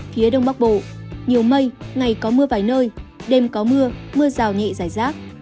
phía đông bắc bộ nhiều mây ngày có mưa vài nơi đêm có mưa mưa rào nhẹ giải rác